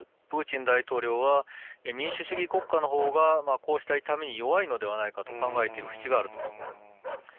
プーチン大統領は民主主義国家のほうが、こうした痛みに弱いのではないかと考えているふしがあると。